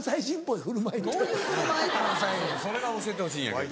それが教えてほしいんやけど。